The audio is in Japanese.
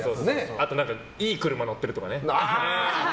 あと、いい車乗ってるとかね。